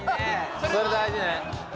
それ大事ね。